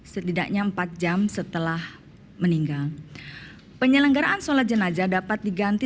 setidaknya empat jam setelah meninggal penyelenggaraan sholat jenazah dapat diganti